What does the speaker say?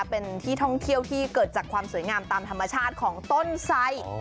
เป็นที่ท่องเที่ยวที่เกิดจากความสวยงามตามธรรมชาติของต้นไส